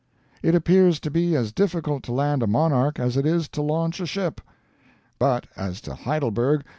It appears to be as difficult to land a monarch as it is to launch a ship. But as to Heidelberg.